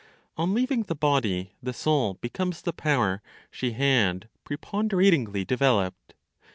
On leaving the body the soul becomes the power she had preponderatingly developed.